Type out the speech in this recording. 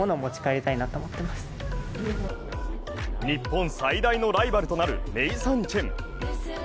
日本最大のライバルとなるネイサン・チェン。